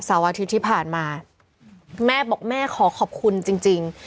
อาทิตย์ที่ผ่านมาแม่บอกแม่ขอขอบคุณจริงจริง